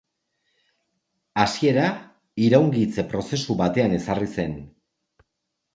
Hasiera iraungitze prozesu batean ezarri zen.